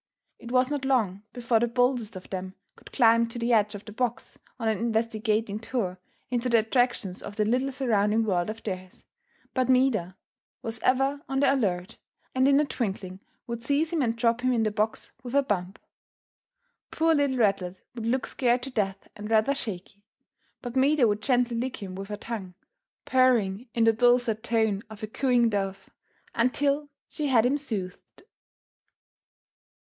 It was not long before the boldest of them could climb to the edge of the box on an investigating tour into the attractions of that little surrounding world of theirs, but Maida was ever on the alert, and in a twinkling would seize him and drop him in the box with a bump. Poor little ratlet would look scared to death and rather shaky, but Maida would gently lick him with her tongue, purring in the dulcet tones of a cooing dove, until she had him soothed.